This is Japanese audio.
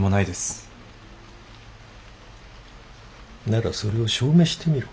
ならそれを証明してみろ。